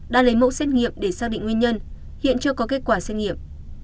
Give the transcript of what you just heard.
đã lấy mẫu xét nghiệm để xác định nguyên nhân hiện chưa có kết quả xét nghiệm